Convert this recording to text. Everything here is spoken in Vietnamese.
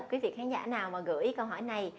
quý vị khán giả nào mà gửi câu hỏi này